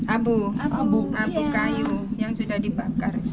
abu abu abu kayu yang sudah dibakar